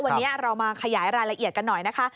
วันนี้เรามาขยายรายละเอียดกันหน่อยนะคะ